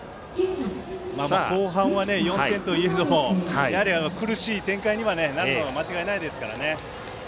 後半は４点というのもやはり苦しい展開になるのは間違いないですからね。